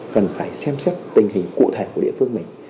cần phải xem xét tình hình cụ thể của địa phương mình